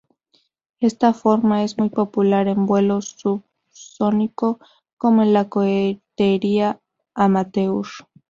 Esta forma es muy popular en vuelo subsónico, como en la cohetería amateur.